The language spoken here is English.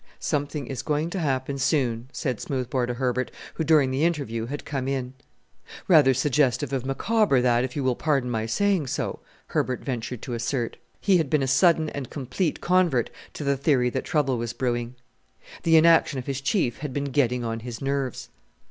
"Something is going to happen soon," said Smoothbore to Herbert, who during the interview had come in. "Rather suggestive of Micawber that, if you will pardon my saying so," Herbert ventured to assert. He had been a sudden and complete convert to the theory that trouble was brewing. The inaction of his Chief had been getting on his nerves.